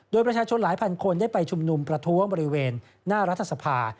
โดยประชาชนหลายพันคนได้ไปชุมนุมประท้วงบริเวณหน้ารัฐสภา